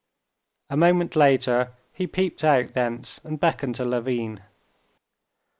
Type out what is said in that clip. A moment later he peeped out thence and beckoned to Levin.